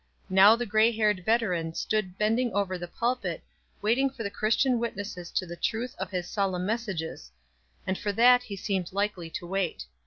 Now the gray haired veteran stood bending over the pulpit, waiting for the Christian witnesses to the truth of his solemn messages; and for that he seemed likely to wait.